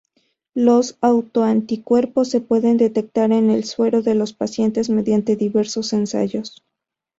Los autoanticuerpos se pueden detectar en el suero de los pacientes mediante diversos ensayos.